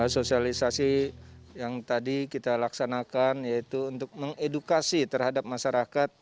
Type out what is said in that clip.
sosialisasi yang tadi kita laksanakan yaitu untuk mengedukasi terhadap masyarakat